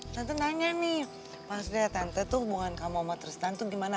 tante nanya nih pas dia tante tuh hubungan kamu sama tristan tuh gimana